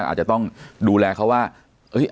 อาจจะต้องดูแลเขาว่า